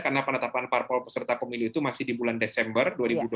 karena penetapan parpol peserta pemilu itu masih di bulan desember dua ribu dua puluh dua